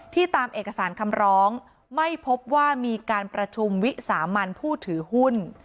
ตามเอกสารคำร้องไม่พบว่ามีการประชุมวิสามันผู้ถือหุ้น